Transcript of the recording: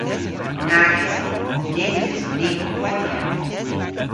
Nag eson. Nyns eson ni ow ponya.